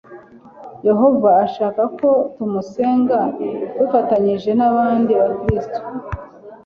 yehova ashaka ko tumusenga dufatanyije n'abandi bakristo